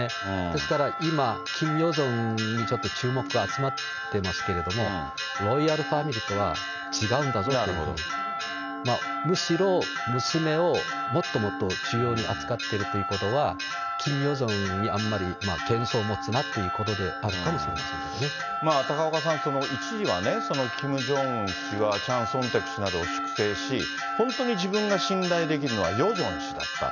ですから今、キム・ヨジョンにちょっと注目が集まってますけれども、ロイヤルファミリーとは違うんだぞというふうに、むしろ、娘をもっともっと重要に扱っているということは、キム・ヨジョンにあんまり謙そんを持つなということであるかもし高岡さん、一時はね、キム・ジョンウン氏はチャン・ソンテク氏などを粛清し、本当に自分が信頼できるのはヨジョン氏だった。